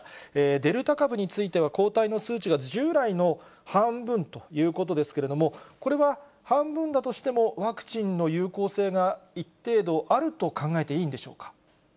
デルタ株については、抗体の数値が従来の半分ということですけれども、これは半分だとしても、ワクチンの有効性が一程度あると考えていいんでしょうか。